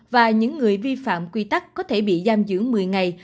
và những người vi phạm quy tắc có thể bị giam giữ một mươi ngày